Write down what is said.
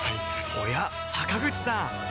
おや坂口さん